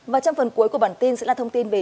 và trong phần cuối của bản tin sẽ là thông tin về